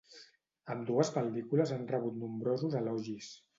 Ambdues pel·lícules han rebut nombrosos elogis.